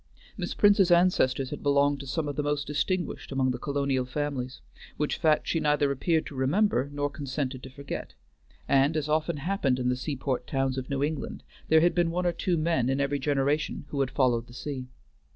Miss Prince's ancestors had belonged to some of the most distinguished among the colonial families, which fact she neither appeared to remember nor consented to forget; and, as often happened in the seaport towns of New England, there had been one or two men in every generation who had followed the sea.